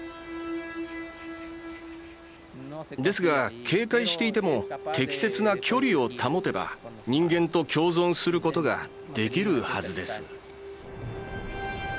ですが警戒していても適切な距離を保てば人間と共存することができるはずです。